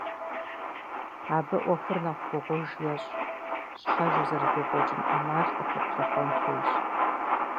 Абы Ӏуэхур нэхъ гугъуж ещӀ – щхьэж узэрыдекӀуэкӀын Ӏэмал къыхуэплъыхъуэн хуейщ.